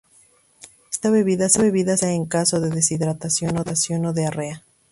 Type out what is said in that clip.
Esta bebida se utiliza en caso de deshidratación o diarrea.